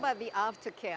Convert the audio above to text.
bagaimana dengan pengawasan